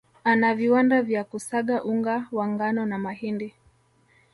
Ana viwanda vya kusaga unga wa ngano na mahindi